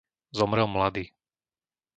Zomrel mladý.